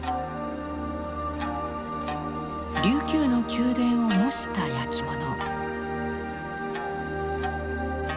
琉球の宮殿を模した焼き物。